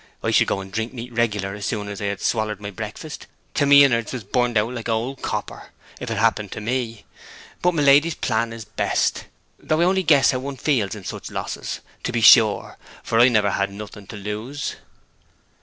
I should go and drink neat regular, as soon as I had swallered my breakfast, till my innerds was burnt out like a' old copper, if it had happened to me; but my lady's plan is best. Though I only guess how one feels in such losses, to be sure, for I never had nothing to lose.'